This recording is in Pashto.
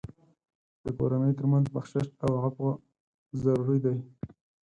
د کورنۍ تر منځ بخشش او عفو ضروري دي.